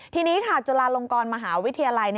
ทีนี้ค่ะจุฬาลงกรมหาวิทยาลัย